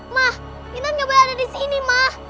ma intan gak boleh ada di sini ma